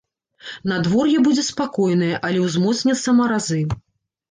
Надвор'е будзе спакойнае, але ўзмоцняцца маразы.